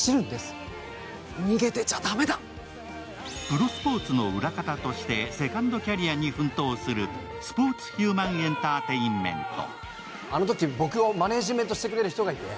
プロスポーツの裏方としてセカンドキャリアに奮闘するスポーツヒューマンエンターテインメント。